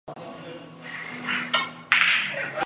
朗托斯克。